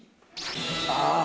ああ。